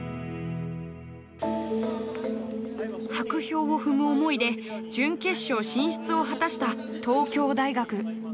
薄氷を踏む思いで準決勝進出を果たした東京大学。